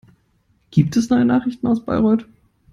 Gibt es neue Nachrichten aus Bayreuth?